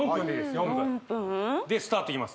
４分でスタートいきます